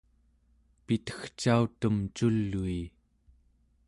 pitegcautem cului